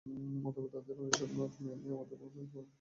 অতঃপর তাদের অনেকেই এসব নিয়ামতের প্রতি বিরক্তি প্রকাশ করল।